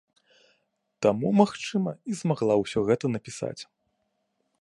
Таму, магчыма, і змагла ўсё гэта напісаць.